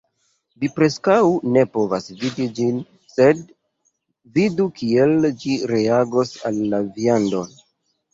Vi preskaŭ ne povas vidi ĝin sed vidu kiel ĝi reagos al la viando